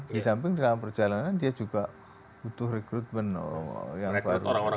di samping dalam perjalanan dia juga butuh rekrutmen yang baru